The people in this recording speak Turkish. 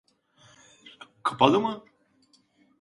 Kapalı mı?